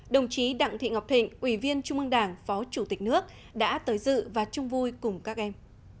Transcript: đồng chí đặng thị ngọc thịnh ủy viên trung ương đảng phó chủ tịch nước đã tới dự và chung vui cùng các em